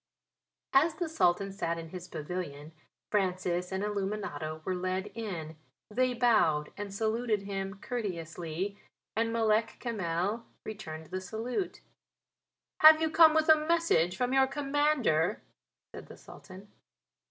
As the Sultan sat in his pavilion Francis and Illuminato were led in. They bowed and saluted him courteously and Malek Kamel returned the salute. "Have you come with a message from your Commander?" said the Sultan.